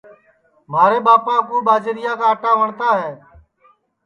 مھارے ٻاپا کُوٻاجریا کا آٹا وٹؔتا ہے